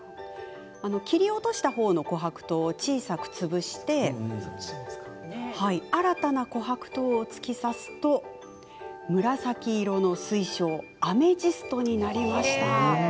切り落とした方の、こはく糖を小さく潰して新たな、こはく糖を突き刺すと紫色の水晶、アメジストになりました。